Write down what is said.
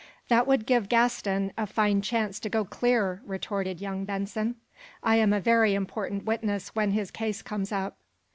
"That would give Gaston a fine chance to go clear," retorted young Benson. "I am a very important witness when his case comes up."